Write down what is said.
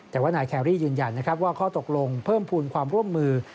แต่ว่านายแครรี่ยืนยันนะครับว่าข้อตกลงเพิ่มภูมิความร่วมมือ